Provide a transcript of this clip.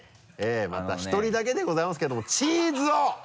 また１人だけでございますけどもチーズを！